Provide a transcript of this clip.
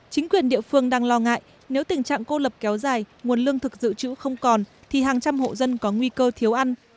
chính quyền địa phương đang lo ngại nếu tình trạng cô lập kéo dài nguồn lương thực dự trữ không còn thì hàng trăm hộ dân có nguy cơ thiếu ăn